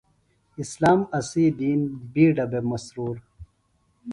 اسلام اسے دین بِیڈہ بےۡ مسرور۔